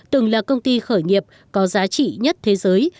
từng là công ty khởi nghiệp có giá trị nhất thế giới